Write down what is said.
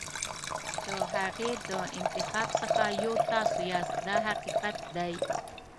د هغې د انتخاب څخه یو تاسو یاست دا حقیقت دی.